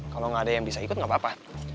kalo gak ada yang bisa ikut gak apa apa